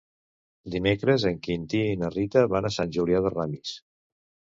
Dimecres en Quintí i na Rita van a Sant Julià de Ramis.